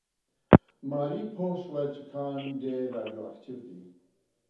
ماري پوه شوه چې کان ډېر راډیواکټیف دی.